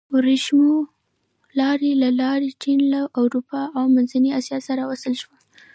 د ورېښمو لارې له لارې چین له اروپا او منځنۍ اسیا سره وصل شو.